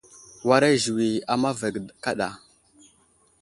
Wara ziwi a mava ge kaɗa.